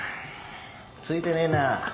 ついてねえな。